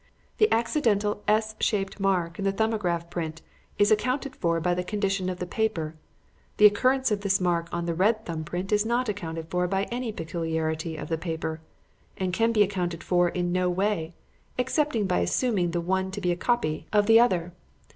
The accidental S shaped mark in the 'Thumbograph' print is accounted for by the condition of the paper; the occurrence of this mark in the red thumb print is not accounted for by any peculiarity of the paper, and can be accounted for in no way, excepting by assuming the one to be a copy of the other.